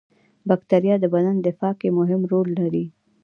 بکتریا د بدن دفاع کې مهم رول لري